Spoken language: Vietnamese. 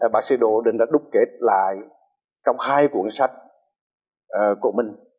bác sĩ đỗ hữu định đã đúc kế lại trong hai cuốn sách của mình